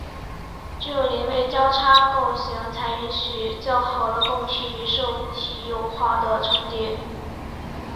只有邻位交叉构型才能允许较好的供体与受体有好的重叠。